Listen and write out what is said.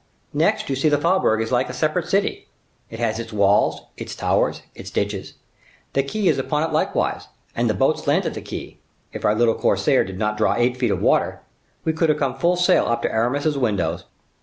"Next, you see the faubourg is like a separate city, it has its walls, its towers, its ditches; the quay is upon it likewise, and the boats land at the quay. If our little corsair did not draw eight feet of water, we could have come full sail up to Aramis's windows."